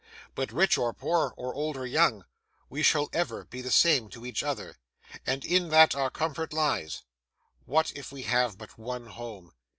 But rich or poor, or old or young, we shall ever be the same to each other, and in that our comfort lies. What if we have but one home?